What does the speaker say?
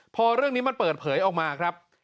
พอเรื่องนี้มันเปิดเผยออกมาครับ